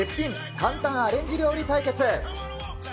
簡単アレンジ料理対決。